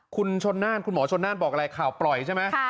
คุณหมอชนน่านบอกอะไรข่าวปล่อยใช่ไหม